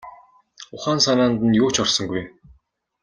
Ухаан санаанд нь юу ч орсонгүй.